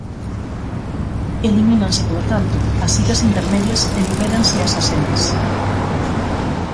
Elimínanse, polo tanto, as citas intermedias e libéranse as axendas.